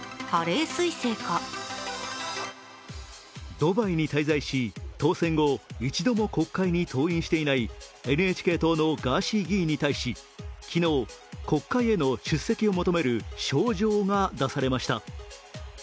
ドバイに滞在し、当選後、一度も国会に登院していないＮＨＫ党のガーシー議員に対し昨日、国会への出席を求める招状が出されました。